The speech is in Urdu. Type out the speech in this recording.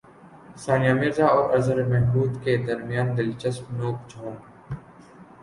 ثانیہ مرزا اور اظہر محمود کے درمیان دلچسپ نوک جھونک